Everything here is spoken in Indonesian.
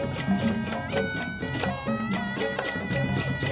komisi yang dicatatkan di kota jappal